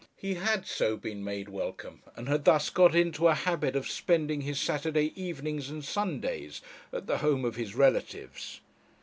He had so been made welcome, and had thus got into a habit of spending his Saturday evenings and Sundays at the home of his relatives.